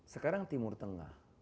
sekarang timur tengah